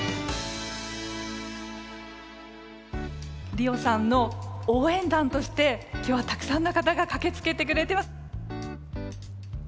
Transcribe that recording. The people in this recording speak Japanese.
理央さんの応援団として今日はたくさんの方が駆けつけてくれてます。